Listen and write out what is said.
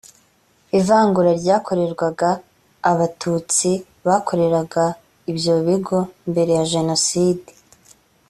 ivangura ryakorerwaga abatutsi bakoreraga ibyo bigo mbere ya jenoside